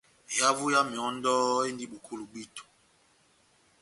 Ehavo ya mehɔ́ndɔ endi bokolo bwíto.